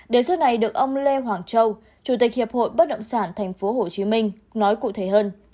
đề xuất này được ông lê hoàng châu chủ tịch hiệp hội bất động sản tp hcm nói cụ thể hơn